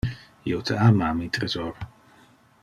Io te ama, mi tresor.